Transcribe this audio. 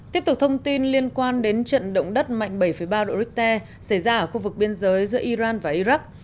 tiếp tục thông tin liên quan đến trận động đất mạnh bảy ba độ richter xảy ra ở khu vực biên giới giữa iran và iraq